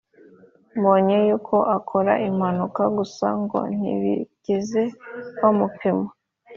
mbere y’uko akora impanuka gusa ngo ntibigeze bamupima